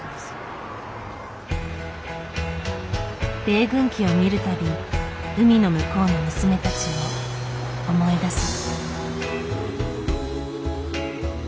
米軍機を見る度海の向こうの娘たちを思い出す。